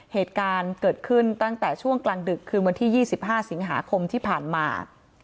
เหตุการณ์เกิดขึ้นตั้งแต่ช่วงกลางดึกคืนวันที่๒๕สิงหาคมที่ผ่านมา